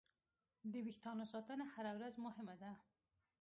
د وېښتیانو ساتنه هره ورځ مهمه ده.